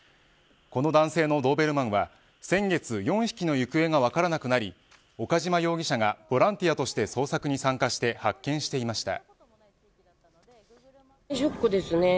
この男性のドーベルマンは先月４匹の行方が分からなくなり岡島容疑者がボランティアとして捜索に参加して発見していました。